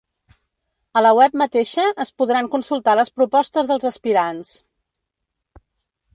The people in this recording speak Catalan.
A la web mateixa es podran consultar les propostes dels aspirants.